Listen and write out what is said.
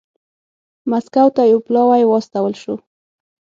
مسکو ته یو پلاوی واستول شو